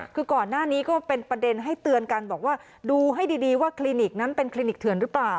คือก่อนหน้านี้ก็เป็นประเด็นให้เตือนกันบอกว่าดูให้ดีว่าคลินิกนั้นเป็นคลินิกเถื่อนหรือเปล่า